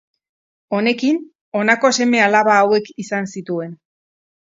Honekin, honako seme-alaba hauek izan zituen.